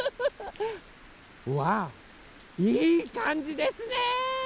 わあいいかんじですね。